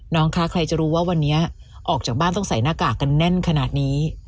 น้องคะใครจะรู้ว่าวันนี้ออกจากบ้านต้องใส่หน้ากากกันแน่นขนาดนี้